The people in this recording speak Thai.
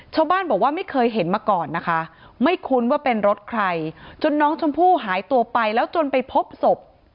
ชาวบ้านบอกว่าไม่เคยเห็นมาก่อนนะคะไม่คุ้นว่าเป็นรถใครจนน้องชมพู่หายตัวไปแล้วจนไปพบศพ